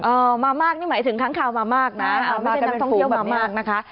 มามากนี่หมายถึงค้างคาวมามากนะเอาไม่ใช่นักท่องเที่ยวมามากนะคะ